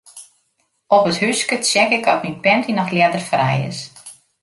Op it húske check ik oft myn panty noch ljedderfrij is.